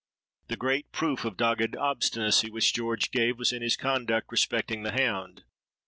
The great proof of dogged obstinacy which George gave, was in his conduct respecting the hound.